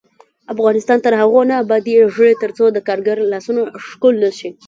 افغانستان تر هغو نه ابادیږي، ترڅو د کارګر لاسونه ښکل نشي.